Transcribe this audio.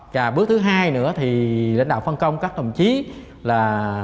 và bước thứ hai nữa thì lãnh đạo phân công các đồng chí là